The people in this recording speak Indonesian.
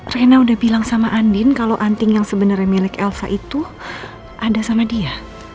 rena udah bilang sama andin kalau anting yang sebenarnya milik elsa itu ada sama dia